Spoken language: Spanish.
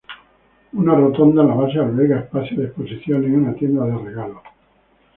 Una rotonda en la base alberga espacio de exposiciones y una tienda de regalos.